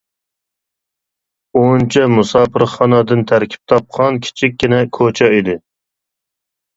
ئونچە «مۇساپىرخانا» دىن تەركىب تاپقان كىچىككىنە كوچا ئىدى.